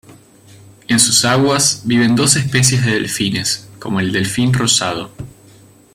En sus aguas viven dos especies de delfines, como el delfín rosado.